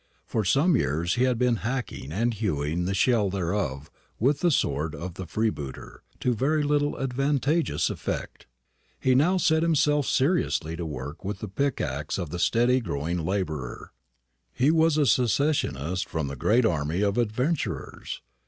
For some years he had been hacking and hewing the shell thereof with the sword of the freebooter, to very little advantageous effect. He now set himself seriously to work with the pickaxe of the steady going labourer. He was a secessionist from the great army of adventurers.